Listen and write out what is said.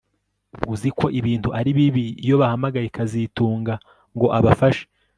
Uzi ko ibintu ari bibi iyo bahamagaye kazitunga ngo abafashe